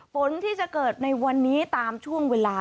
ฝนที่จะเกิดในวันนี้ตามช่วงเวลา